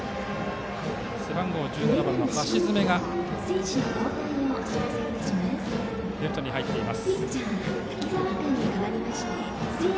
背番号１７番の橋詰がレフトに入っています。